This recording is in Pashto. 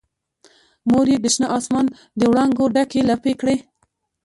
مور یې د شنه اسمان دوړانګو ډکې لپې کړي